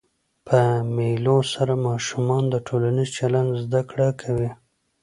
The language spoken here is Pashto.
په مېلو سره ماشومان د ټولنیز چلند زده کړه کوي.